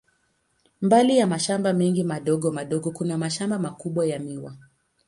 Mbali ya mashamba mengi madogo madogo, kuna mashamba makubwa ya miwa.